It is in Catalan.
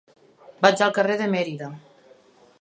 Vaig al carrer de Mérida.